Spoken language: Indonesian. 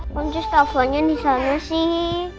konjus teleponnya disana sih